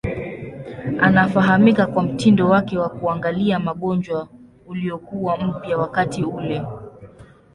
Anafahamika kwa mtindo wake wa kuangalia magonjwa uliokuwa mpya wakati ule.